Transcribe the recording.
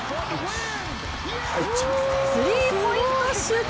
スリーポイントシュート。